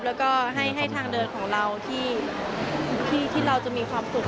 แล้วก็ให้ทางเดินของเราที่เราจะมีความสุข